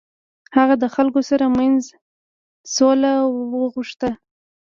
هغه د خلکو تر منځ سوله وغوښته.